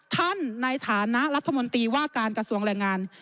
ท่านในฐานะรัฐมนตรีว่าการกระทรวงแรงงาน